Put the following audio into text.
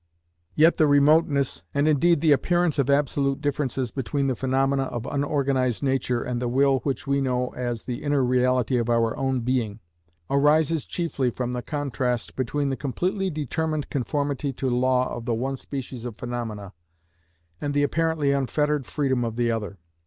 Yet the remoteness, and indeed the appearance of absolute difference between the phenomena of unorganised nature and the will which we know as the inner reality of our own being, arises chiefly from the contrast between the completely determined conformity to law of the one species of phenomena, and the apparently unfettered freedom of the other.